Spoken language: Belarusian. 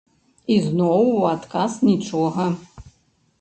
Ізноў у адказ нічога.